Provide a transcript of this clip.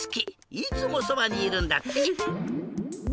いつもそばにいるんだって。